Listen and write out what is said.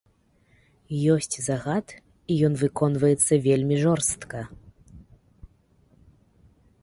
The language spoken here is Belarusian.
Ёсць загад і ён выконваецца вельмі жорстка.